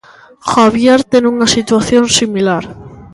Javier ten unha situación similar.